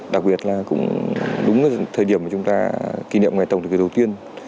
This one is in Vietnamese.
đặc biệt là cũng đúng thời điểm chúng ta kỷ niệm ngày tổng thủy đầu tiên